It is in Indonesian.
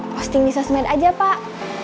posting di sosmed aja pak